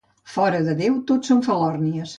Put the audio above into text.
Fora de Déu, tot són falòrnies.